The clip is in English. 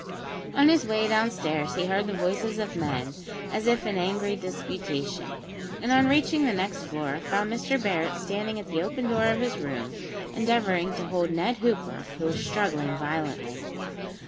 On his way downstairs, he heard the voices of men as if in angry disputation; and on reaching the next floor, found Mr Barret standing at the open door of his room, endeavouring to hold Ned Hooper, who was struggling violently.